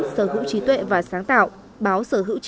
sở hữu trí tuệ và sáng tạo